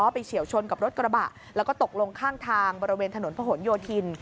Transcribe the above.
เฉียวชนกับรถกระบะแล้วก็ตกลงข้างทางบริเวณถนนพระหลโยธิน